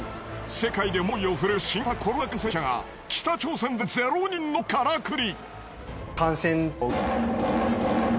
世界で猛威をふるう新型コロナ感染者が北朝鮮でゼロ人のカラクリ。